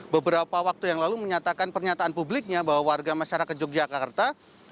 beberapa waktu yang lalu menyatakan pernyataan publiknya bahwa warga masyarakat yogyakarta